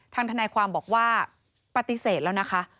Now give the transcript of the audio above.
ทนายความบอกว่าปฏิเสธแล้วนะคะ